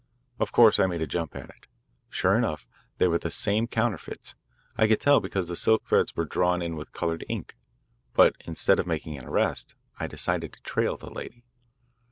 Of course I made a jump at it. Sure enough, they were the same counterfeits. I could tell because the silk threads were drawn in with coloured ink. But instead of making an arrest I decided to trail the lady.